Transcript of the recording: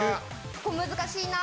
ここ難しいなあ。